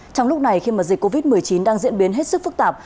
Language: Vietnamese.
trong lúc này khi mà dịch covid một mươi chín đang diễn biến hết sức phức tạp